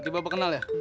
lu mau apa sih